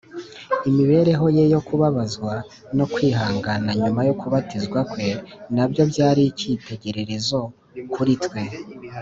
. Imibereho ye yo kubabazwa no kwihangana nyuma yo kubatizwa kwe na byo byari icyitegererezo kuri twe